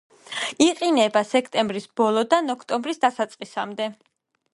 იყინება სექტემბრის ბოლოდან ოქტომბრის დასაწყისამდე.